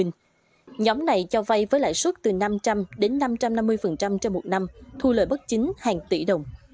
nhóm này cho vay với lãi suất từ năm trăm linh đến năm trăm năm mươi cho một năm thu lợi bất chính hàng tỷ đồng